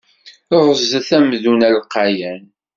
Ɣzet amdun alqayan.